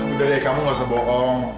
udah deh kamu gak usah bohong